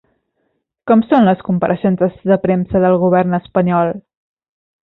Com són les compareixences de premsa del govern espanyol?